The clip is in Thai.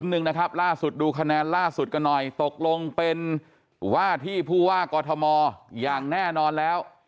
หนึ่งนะครับล่าสุดดูคะแนนล่าสุดกันหน่อยตกลงเป็นว่าที่ผู้ว่ากอทมอย่างแน่นอนแล้ว